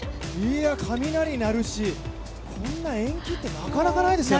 雷鳴るし、こんな延期ってなかなかないですよね。